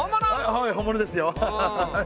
はい本物ですよハハハ。